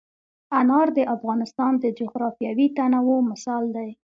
انار د افغانستان د جغرافیوي تنوع مثال دی.